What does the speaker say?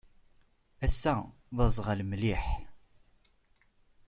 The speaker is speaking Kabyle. Ass-a, d aẓɣal mliḥ.